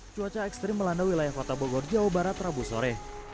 cuaca ekstrim melanda wilayah kota bogor jawa barat rabu sore